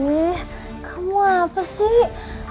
ih kamu apa sih